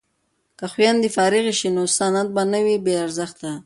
که خویندې فارغې شي نو سند به نه وي بې ارزښته.